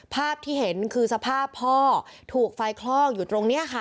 ภาพที่เห็นคือสภาพพ่อถูกไฟคลอกอยู่ตรงนี้ค่ะ